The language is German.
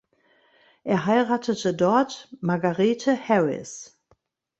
Er heiratete dort Margarethe Harris.